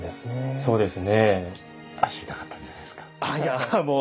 そうですね。